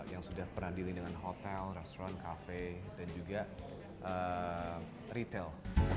yang sudah pernah dealing dengan hotel restoran cafe dan juga retail